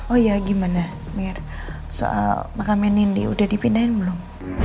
oh ya gimana mir soal makamnya nindi udah dipindahin belum